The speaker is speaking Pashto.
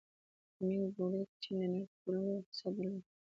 د مینګ دورې کې چین د نړۍ تر ټولو لوی اقتصاد درلود.